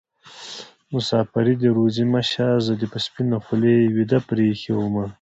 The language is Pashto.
مسافري دې روزي مه شه زه دې په سپينه خولې ويده پرې ايښې ومه